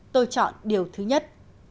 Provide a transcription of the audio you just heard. tôi chọn điều thứ nhất